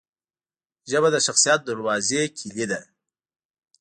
ژبه د شخصیت دروازې کلۍ ده